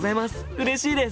うれしいです！